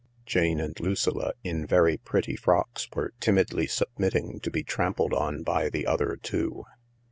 Jane and Lucilla in very pretty frocks were timidly submitting to be trampled on by the other two.